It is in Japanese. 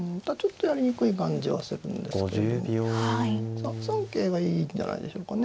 ３三桂がいいんじゃないでしょうかね。